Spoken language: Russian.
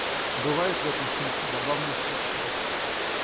Бывают, в этом смысле, забавные случаи.